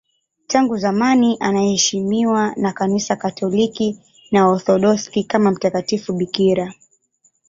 Tangu zamani anaheshimiwa na Kanisa Katoliki na Waorthodoksi kama mtakatifu bikira.